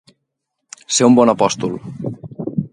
Ser un bon apòstol.